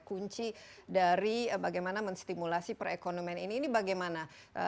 kunci dari bagaimana menstimulasi perekonomian ini ini bagaimana